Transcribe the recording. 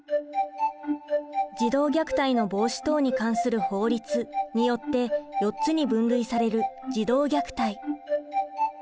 児童虐待の防止等に関する法律によって４つに分類される児童虐待。